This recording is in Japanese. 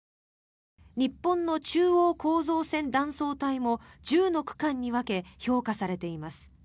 日本の中央構造線断層帯も１０の区間に分け評価されています。